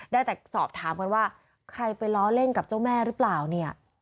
ได้แต่สอบถามกันว่าใครไปล้อเล่นกับเจ้าแม่หรือเปล่าเนี่ย